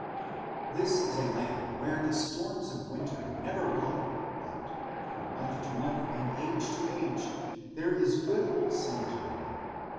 This is a land where the storms of winter never blow but where from month to month and age to age there is good old summer time.